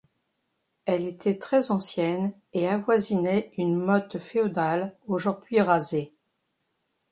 Elle était très ancienne et avoisinait une motte féodale aujourd'hui rasée.